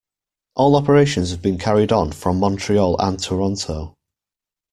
All operations have been carried on from Montreal and Toronto.